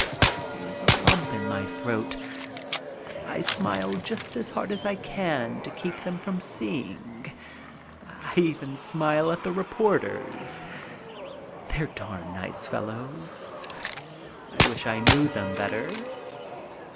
There is a lump in my throat. I smile just as hard as I can to keep them from seeing. I even smile at the reporters. BON VOYAGE 145 They're darn nice fellows. I wish I knew them better.